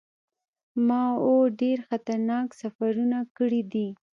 ما اووه ډیر خطرناک سفرونه کړي دي.